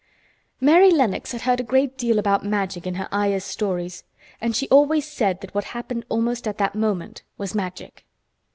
Mary Lennox had heard a great deal about Magic in her Ayah's stories, and she always said that what happened almost at that moment was Magic.